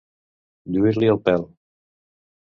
Lluir-li el pèl.